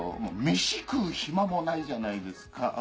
飯食う暇もないじゃないですか。